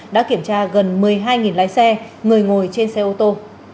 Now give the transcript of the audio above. đã kiểm tra gần một mươi hai lái xe người ngồi trên xe ô tô